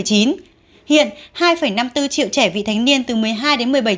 hiện hai năm mươi bốn triệu trẻ vị thanh niên từ một mươi hai đến một mươi bảy tuổi